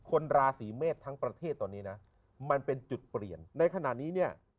คนราศีเมษทั้งประเทศตอนนี้นะมันเป็นจุดเปลี่ยนในขณะนี้เนี่ย